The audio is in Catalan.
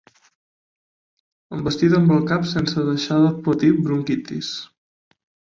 Envestida amb el cap sense deixar de patir bronquitis.